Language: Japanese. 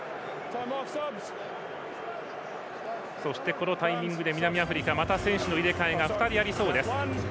このタイミングで南アフリカまた選手の入れ替えが２人ありそうです。